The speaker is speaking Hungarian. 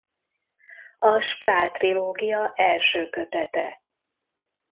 A Sprawl-trilógia első kötete.